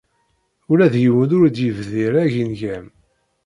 Ula d yiwen ur d-yebdir agengam.